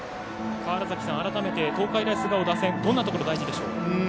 川原崎さん、改めて東海大菅生の打線はどんなところが大事でしょうか。